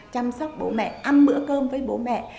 chăm sóc bố mẹ ăn bữa cơm với bố mẹ